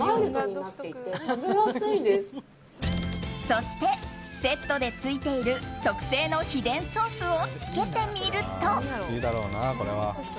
そして、セットで付いている特製の秘伝ソースをつけてみると。